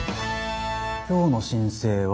今日の申請は。